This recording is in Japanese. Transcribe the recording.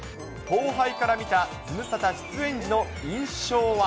後輩から見た、ズムサタ出演時の印象は？